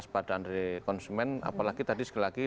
pada konsumen apalagi tadi sekali lagi